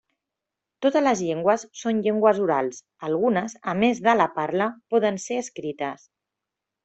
Totes les llengües són llengües orals, algunes a més de la parla poden ser escrites.